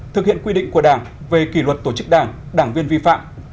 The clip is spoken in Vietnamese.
thực hiện quy định của đảng về kỷ luật tổ chức đảng đảng viên vi phạm